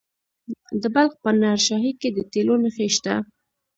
د بلخ په نهر شاهي کې د تیلو نښې شته.